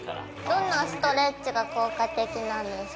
どんなストレッチが効果的なんですか？